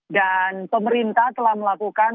dan pemerintah telah melakukan